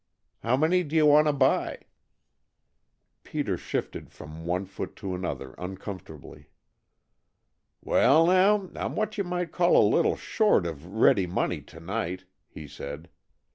How many do you want to buy?" Peter shifted from one foot to another uncomfortably. "Well, now, I'm what you might call a little short of ready money tonight," he said.